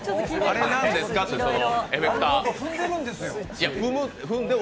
あれ何ですかって、エフェクター。